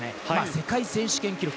世界選手権記録。